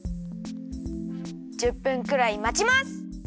１０分くらいまちます。